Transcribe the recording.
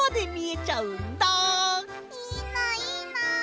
いいないいな。